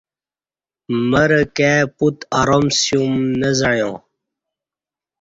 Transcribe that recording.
مرہ کای پت ارام سیوم نہ زعیاں